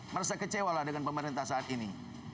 merasa kecewa lah dengan pemerintah saat ini